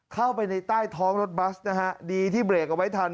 เข้าไปในใต้ท้องรถบัสนะฮะดีที่เบรกเอาไว้ทัน